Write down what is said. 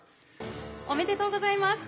おめでとうございます。